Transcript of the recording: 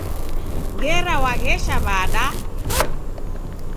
Ngera waghesha wada?